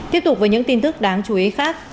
tiếp tục với những tin tức đáng chú ý khác